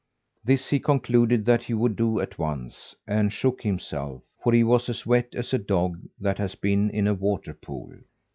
This he concluded that he would do at once, and shook himself for he was as wet as a dog that has been in a water pool.